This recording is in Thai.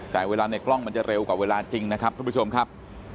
แต่เวลาในกล้องมันจะเร็วกว่าเวลาจริงนะครับทุกผู้ชมครับ